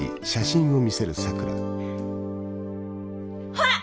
ほら！